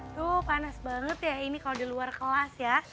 tuh panas banget ya ini kalau di luar kelas ya